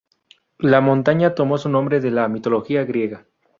La montaña tomó su nombre de la mitología griega.